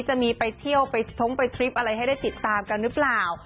จะไปเที่ยวไปท้งไปทริปอะไรให้ได้ติดตามกันหรือเปล่า